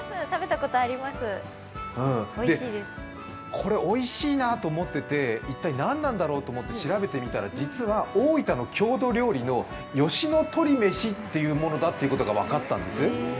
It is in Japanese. これおいしいなと思ってて一体何なんだろうと思って調べてみたら実は、大分の郷土料理の吉野鶏めしというものだということが分かったんです。